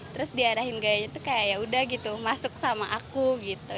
terus diarahin gayanya itu kayak ya udah gitu masuk sama aku gitu